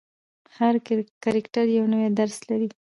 هر کرکټر یو نوی درس لري.